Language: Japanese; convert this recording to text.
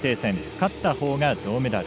勝ったほうが銅メダル。